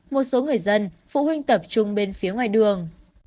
một số người dân phụ huynh tập trung bên phía ngoài đường